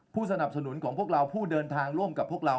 สนับสนุนของพวกเราผู้เดินทางร่วมกับพวกเรา